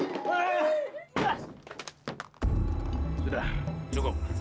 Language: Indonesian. kenapa saya hancur hidup ini